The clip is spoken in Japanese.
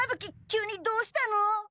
急にどうしたの？